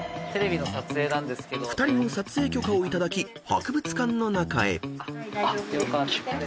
［２人も撮影許可を頂き博物館の中へ］